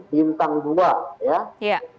bintang dua ya